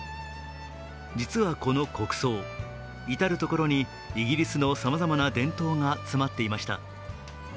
実はこの国葬、至る所にイギリスのさまざまな伝統が詰まっていました。